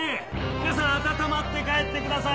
皆さん温まって帰ってください！